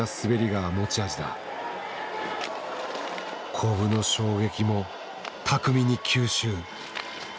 コブの衝撃も巧みに吸収。